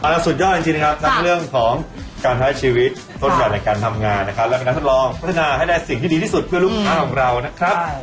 และเป็นนักทดลองพัฒนาให้ได้สิ่งที่ดีที่สุดเพื่อลูกค้าของเรานะครับ